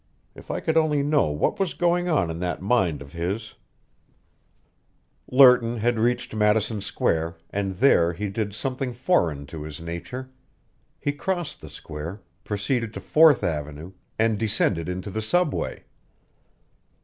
If I could only know what was going on in that mind of his " Lerton had reached Madison Square, and there he did something foreign to his nature. He crossed the Square, proceeded to Fourth Avenue, and descended into the subway.